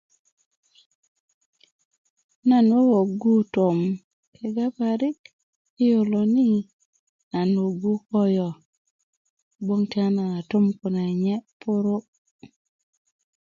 nan wowogu tom kega parik i yolo ni nan wogu koyo kogbon ti yanana tom kune nye puru'